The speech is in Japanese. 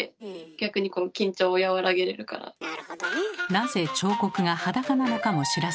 なぜ彫刻が裸なのかも知らずに。